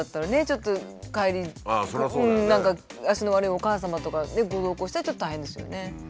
ちょっと帰り何か足の悪いお母様とかご同行したらちょっと大変ですよね。